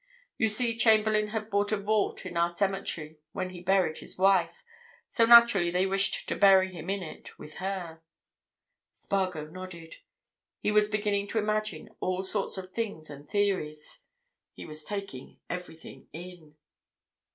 You see, Chamberlayne had bought a vault in our cemetery when he buried his wife, so naturally they wished to bury him in it, with her." Spargo nodded. He was beginning to imagine all sorts of things and theories; he was taking everything in.